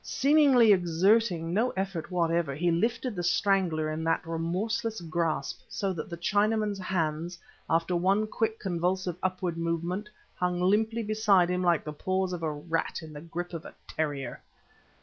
Seemingly exerting no effort whatever, he lifted the strangler in that remorseless grasp, so that the Chinaman's hands, after one quick convulsive upward movement, hung limply beside him like the paws of a rat in the grip of a terrier.